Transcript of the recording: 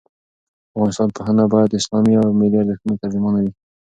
د افغانستان پوهنه باید د اسلامي او ملي ارزښتونو ترجمانه وي.